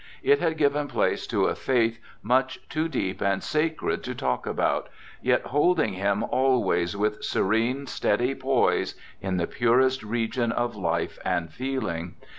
It had given place to a faith much too deep and sacred to talk about, yet holding him always with serene, steady poise in the purest region of life and feeling.